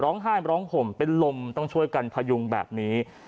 ร้องไห้ร้องห่มเป็นลมต้องช่วยกันพยุงแบบนี้